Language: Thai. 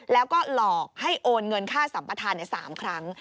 แล้วก็หลอกให้โอนเงินค่าสัมปทาน๓ครั้ง